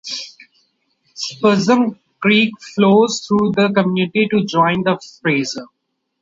Spuzzum Creek flows through the community to join the Fraser.